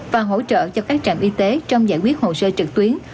và hỗ trợ cho các trạm y tế trong giải quyết hồ sơ trực tuyến